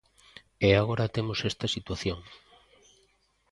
E agora temos esta situación.